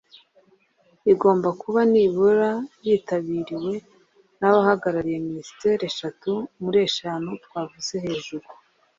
igomba kuba nibura yitabiriwe n’abahagarariye Ministeri eshatu muri eshanu twavuze hejuru